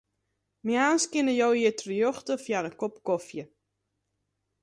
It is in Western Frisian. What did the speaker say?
Moarns kinne jo hjir terjochte foar in kop kofje.